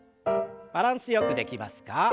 バランスよくできますか？